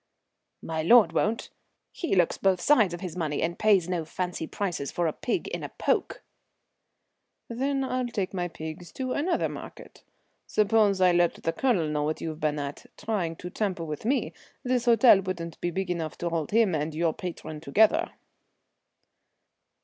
"My lord won't. He looks both sides of his money, and pays no fancy prices for a pig in a poke." "Then I'll take my pigs to another market. Suppose I let the Colonel know what you've been at, trying to tamper with me. This hotel wouldn't be big enough to hold him and your patron together."